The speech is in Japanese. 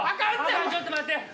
あかんちょっと待って。